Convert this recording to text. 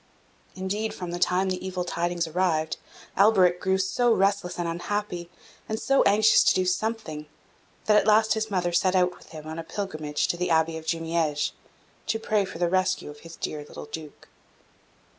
Indeed, from the time the evil tidings arrived, Alberic grew so restless and unhappy, and so anxious to do something, that at last his mother set out with him on a pilgrimage to the Abbey of Jumieges, to pray for the rescue of his dear little Duke.